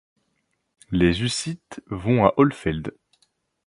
Les hussites vont à Hollfeld.